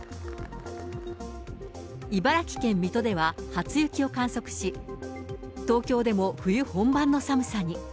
茨城県水戸では初雪を観測し、東京でも冬本番の寒さに。